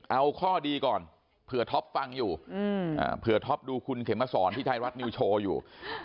เอาข้อดีก่อนเผื่อท็อปฟังอยู่เผื่อท็อปดูคุณเขมสอนที่ไทยรัฐนิวโชว์อยู่